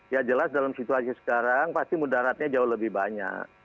ya jelas dalam situasi sekarang pasti mudaratnya jauh lebih banyak